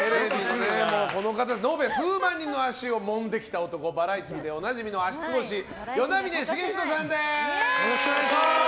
延べ数万人の足をもんできた男バラエティーでおなじみの足ツボ師與那嶺茂人さんです。